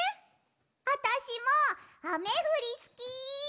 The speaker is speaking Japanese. あたしもあめふりすき！